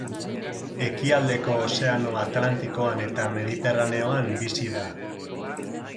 Ekialdeko Ozeano Atlantikoan eta Mediterraneoan bizi da.